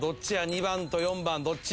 ２番と４番どっち？